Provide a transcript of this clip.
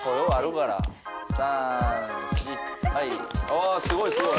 あすごいすごい。